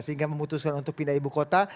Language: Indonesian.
sehingga memutuskan untuk pindah ibu kota